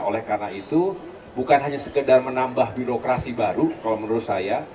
oleh karena itu bukan hanya sekedar menambah birokrasi baru kalau menurut saya